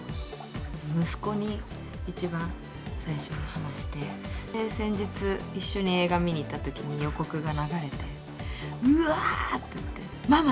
息子に一番最初に話して、先日、一緒に映画見に行ったときに予告が流れて、うわーって言って、ママ！